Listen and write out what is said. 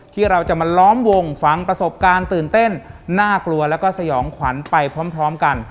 ที่เราจะมาล้อมวงฟังประสบการณ์ตื่นเต้นน่ากลัวแล้วก็สยองขวัญไปพร้อมกัน